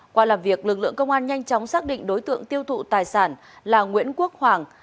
qua làm việc lực lượng công an nhanh chóng xác định đối tượng tiêu thụ tài sản là nguyễn quốc hoàng